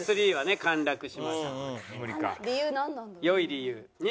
良い理由。